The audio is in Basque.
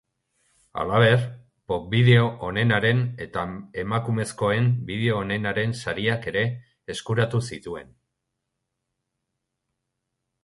Halaber, pop bideo onenaren eta emakumezkoen bideo onenaren sariak ere eskuratu zituen.